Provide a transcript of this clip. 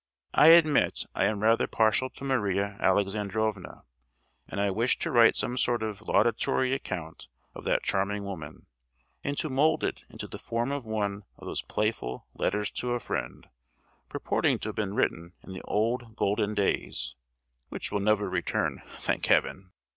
I admit, I am rather partial to Maria Alexandrovna; and I wished to write some sort of laudatory account of that charming woman, and to mould it into the form of one of those playful "letters to a friend," purporting to have been written in the old golden days (which will never return—thank Heaven!)